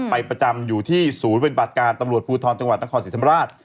ประจำอยู่ที่ศูนย์ปฏิบัติการตำรวจภูทรจังหวัดนครศรีธรรมราช